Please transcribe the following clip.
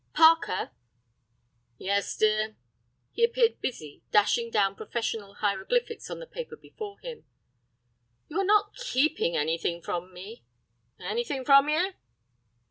"Parker." "Yes, dear." He appeared busy dashing down professional hieroglyphics on the paper before him. "You are not keeping anything from me?" "Anything from you!"